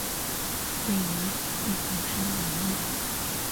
位于内藏山南麓。